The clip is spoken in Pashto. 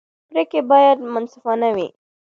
پرېکړې باید منصفانه وي